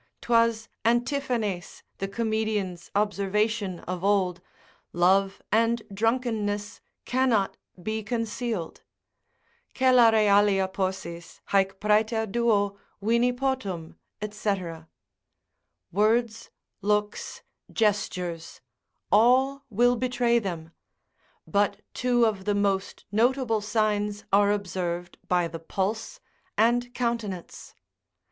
'Twas Antiphanes the comedian's observation of old, Love and drunkenness cannot be concealed, Celare alia possis, haec praeter duo, vini potum, &c. words, looks, gestures, all will betray them; but two of the most notable signs are observed by the pulse and countenance.